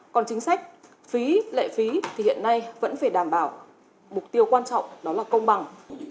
còn chính sách phí lệ phí thì hiện nay vẫn phải đảm bảo mục tiêu quan trọng đó là công bằng